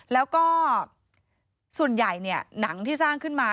แล้วก็ส่วนใหญ่หนังที่สร้างขึ้นมา